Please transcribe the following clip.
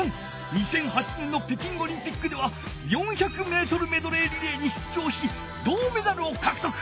２００８年の北京オリンピックでは４００メートルメドレーリレーに出場し銅メダルをかくとく。